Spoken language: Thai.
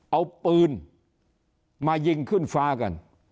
เอาปืนมายิงขึ้นฟ้ากัน